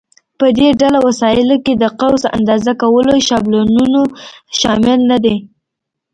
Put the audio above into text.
په دې ډله وسایلو کې د قوس اندازه کولو شابلونونه شامل نه دي.